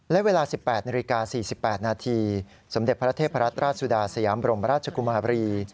และเวลา๑๘๔๘นสมเด็จพระเทพระราชราชสุดาศสยามบรมราชกุมหาบรี